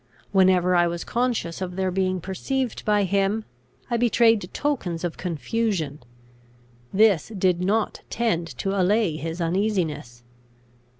Whenever I was conscious of their being perceived by him, I betrayed tokens of confusion: this did not tend to allay his uneasiness.